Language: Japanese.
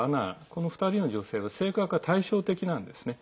この２人の女性は性格が対照的なんですね。